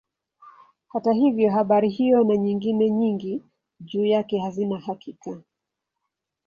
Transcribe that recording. Hata hivyo habari hiyo na nyingine nyingi juu yake hazina hakika.